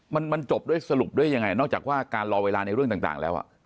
มันมันจบด้วยสรุปด้วยยังไงนอกจากว่าการรอเวลาในเรื่องต่างแล้ว